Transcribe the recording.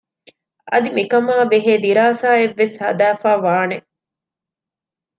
އަދި މިކަމާ ބެހޭ ދިރާސާއެއް ވެސް ހަދައިފައިވާނެ